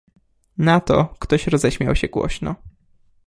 "Na to ktoś roześmiał się głośno."